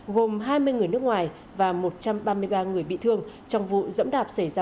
gồm hai mươi người nước ngoài và một trăm ba mươi ba người bị thương trong vụ dẫm đạp xảy ra